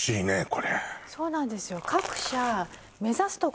これそうなんですよ